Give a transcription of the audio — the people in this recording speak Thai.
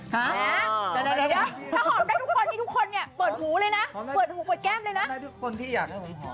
เพราะว่าใจแอบในเจ้า